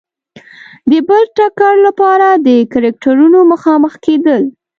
د بل ټکر لپاره د کرکټرونو مخامخ کېدل.